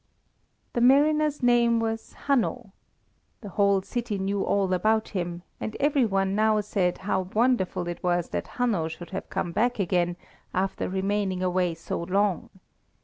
The mariner's name was Hanno. The whole city knew all about him, and every one now said how wonderful it was that Hanno should have come back again, after remaining away so long.